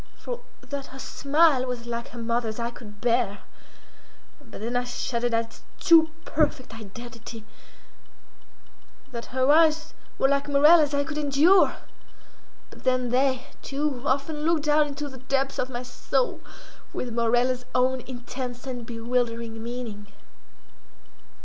For that her smile was like her mother's I could bear; but then I shuddered at its too perfect identity—that her eyes were like Morella's I could endure; but then they, too, often looked down into the depths of my soul with Morella's own intense and bewildering meaning.